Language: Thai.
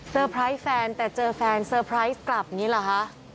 ไพรส์แฟนแต่เจอแฟนเตอร์ไพรส์กลับอย่างนี้เหรอคะ